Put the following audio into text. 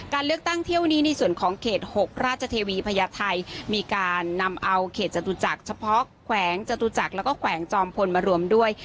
เลือกตั้งเที่ยวนี้ในส่วนของเขต๖ราชเทวีพญาไทยมีการนำเอาเขตจตุจักรเฉพาะแขวงจตุจักรแล้วก็แขวงจอมพลมารวมด้วย